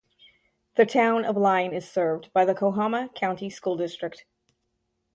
The town of Lyon is served by the Coahoma County School District.